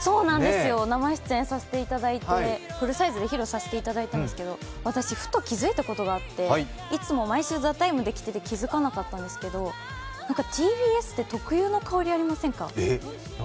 生出演させていただいてフルサイズで歌わせていただいたんですけど、私、ふと気づいたことがあって、いつも毎週「ＴＨＥＴＩＭＥ，」で来ていて気づかなかったんですけど、ＴＢＳって特有の香りありませんか？